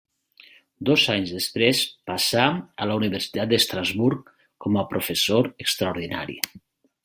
Dos anys després passà a la Universitat d'Estrasburg com a professor extraordinari.